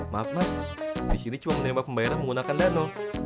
maaf mas disini cuma menerima pembayaran menggunakan dano